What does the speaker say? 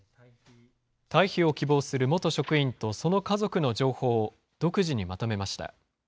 退避を希望する元職員とその家族の情報を独自にまとめました。